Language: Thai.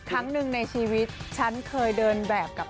ครั้งหนึ่งในชีวิตหายชื่อว่าฉันเหมือนแพนเค็ก